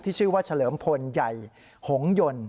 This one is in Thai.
ชื่อว่าเฉลิมพลใหญ่หงยนต์